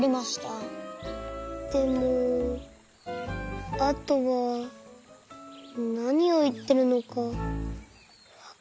でもあとはなにをいってるのかわからなかった。